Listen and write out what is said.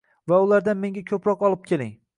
Va ulardan menga ko‘proq olib keling.